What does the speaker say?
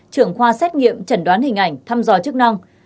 trưởng khoa xét nghiệm chẩn đoán hình ảnh thăm dò chức năng